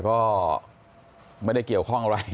ก็ไม่ได้เกี่ยวข้องอะไร